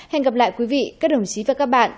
hẹn gặp lại quý vị các đồng chí và các bạn